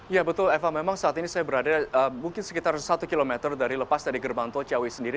ya betul eva memang saat ini saya berada mungkin sekitar satu km dari lepas dari gerbang tol ciawi sendiri